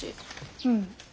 うん。